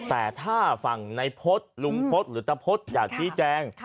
แต่ถ้าฟังนายพฤษลุงพฤษหรือตะพฤษอย่าที่แจ้ง